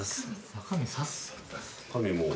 中身もう。